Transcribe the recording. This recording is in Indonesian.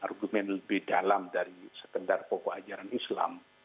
argumen lebih dalam dari sekedar pokok ajaran islam